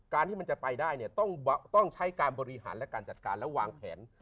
ที่มันจะไปได้เนี่ยต้องใช้การบริหารและการจัดการและวางแผน